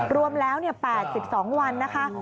รวมแล้ว๘๒วันนะคะ